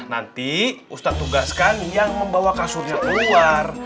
nanti ustadz tugaskan yang membawa kasurnya keluar